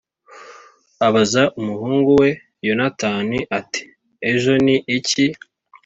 Abaza umuhungu we yonatani ati ejo ni iki